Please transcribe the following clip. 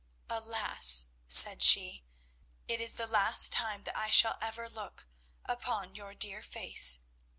"Alas," said she, "it is the last time that I shall ever look upon your dear face!